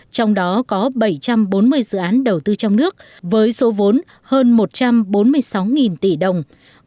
trong đó có bảy trăm bốn mươi dự án đầu tư trong nước với số vốn hơn một trăm bốn mươi sáu tỷ đồng